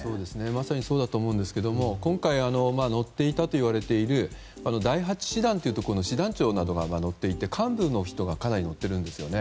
まさにそうと思うんですが今回乗っていたといわれる第８師団というところの師団長などが乗っていて幹部の人がかなり乗っているんですよね。